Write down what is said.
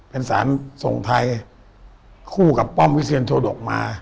เป็นศาลทรงไทยคู่กับป้อมวิเศียรโทดกมา